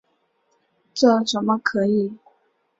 这怎么可以！